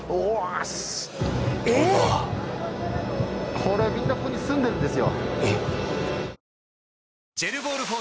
これみんなここに住んでるんですよ